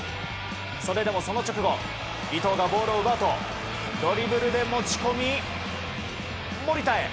それでもその直後伊東がボールを奪うとドリブルで持ち込み、森田へ。